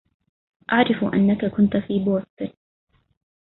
أعرف أنك كنت في بوسطن.